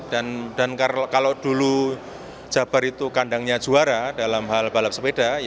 dan kalau dulu jabar itu kandangnya juara dalam hal balap sepeda